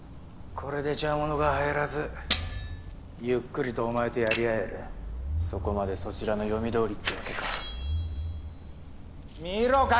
これで邪魔者が入らずゆっくりとお前とやり合えるそこまでそちらの読みどおりってわけか見ろ